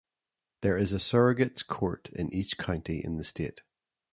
There is a Surrogate's Court in each county in the state.